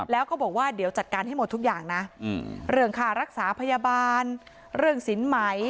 แล้วก็บอกว่าเดี๋ยวจัดการให้หมดทุกอย่างนะเรื่องค่ารักษาพยาบาลเรื่องสินไหม